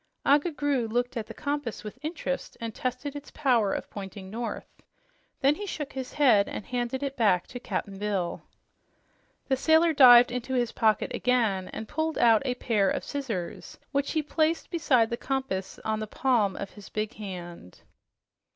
Agga Groo looked at the compass with interest and tested its power of pointing north. Then he shook his head and handed it back to Cap'n Bill. The sailor dived into his pocket again and pulled out a pair of scissors, which he placed beside the compass on the palm of his big hand.